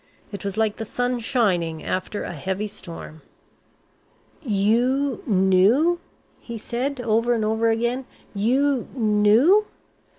It was like the sun shining after a heavy storm. "You knew?" he said, over and over again. "You knew?